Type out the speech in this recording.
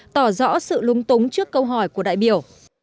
tỏ rõ sự lúng túng trước câu hỏi của đại biểu